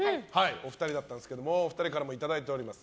お二人だったんですがお二人からもいただいております。